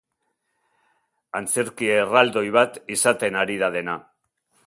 Antzerki erraldoi bat izaten ari da dena.